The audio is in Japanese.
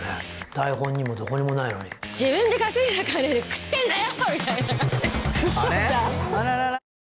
台本にもどこにもないのに自分で稼いだ金で食ってんだよ！